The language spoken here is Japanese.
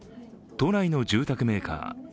都内の住宅メーカー。